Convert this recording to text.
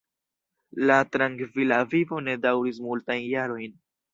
La trankvila vivo ne daŭris multajn jarojn.